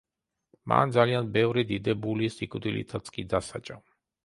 მან ძალიან ბევრი დიდებული სიკვდილითაც კი დასაჯა.